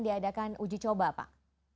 diadakan uji coba pak